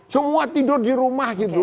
semua tidur di rumah gitu